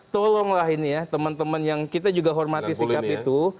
tolonglah ini ya teman teman yang kita juga hormati sikap itu